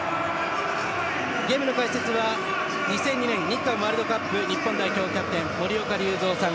ゲームの解説は２００２年日韓ワールドカップ日本代表キャプテン森岡隆三さん。